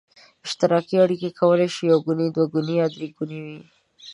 اشتراکي اړیکې کولای شي یو ګوني، دوه ګوني یا درې ګوني وي.